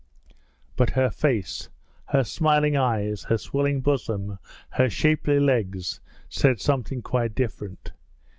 But her face, her shining eyes, her swelling bosom, her shapely legs, said something quite different.